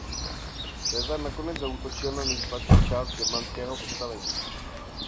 Caesar nakonec zaútočil na nejslabší část germánského postavení.